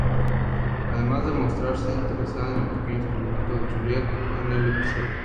Además de mostrarse interesada en el pequeño descubrimiento de Juliette en el episodio.